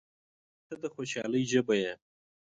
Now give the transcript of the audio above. • ته د خوشحالۍ ژبه یې.